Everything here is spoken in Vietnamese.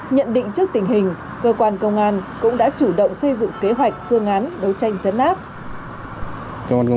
nhận định trước tình hình cơ quan công an cũng đã chủ động xây dựng kế hoạch phương án đấu tranh chấn áp